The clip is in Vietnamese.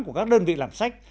của các đơn vị làm sách